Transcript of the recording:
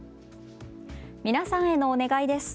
皆さんへのお願いです。